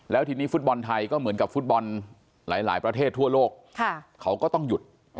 แล้วทีนี้ฟุตบอลไทยก็เหมือนกับฟุตบอลหลายประเทศทั่วโลกเขาก็ต้องหยุด